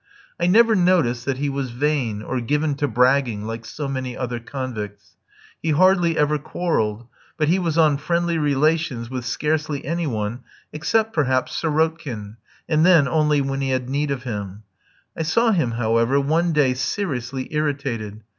I never noticed that he was vain, or given to bragging like so many other convicts. He hardly ever quarrelled, but he was on friendly relations with scarcely any one, except, perhaps, Sirotkin, and then only when he had need of him. I saw him, however, one day seriously irritated.